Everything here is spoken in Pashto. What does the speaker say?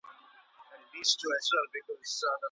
که د غاښونو روغتیا ته پام وسي، نو غاښونه نه خرابیږي.